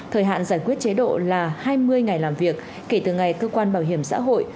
thời hạn giải quyết chế độ là hai mươi ngày làm việc kể từ ngày cơ quan bảo hiểm xã hội